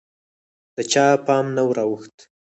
د چا پام نه وراوښت